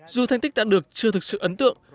dù thành tích đã được chưa thực sự ấn tượng